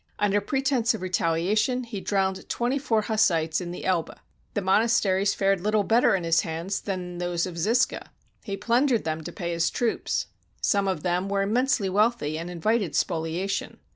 Under pretense of retaliation, he drowned twenty four Hussites in the Elbe. The monasteries fared little better in his hands than in those of Zisca. He plundered them to pay his troops. Some of them were immensely wealthy, and invited spoliation.